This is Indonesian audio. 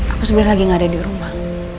aku sebenarnya lagi gak ada di rumah